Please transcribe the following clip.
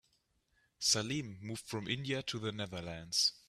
Salim moved from India to the Netherlands.